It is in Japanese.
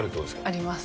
あります。